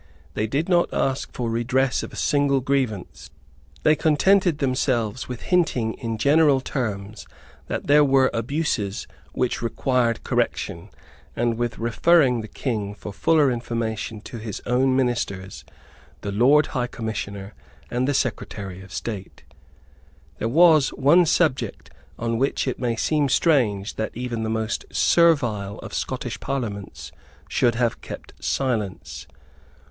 They did not ask for redress of a single grievance. They contented themselves with hinting in general terms that there were abuses which required correction, and with referring the King for fuller information to his own Ministers, the Lord High Commissioner and the Secretary of State. There was one subject on which it may seem strange that even the most servile of Scottish Parliaments should have kept silence.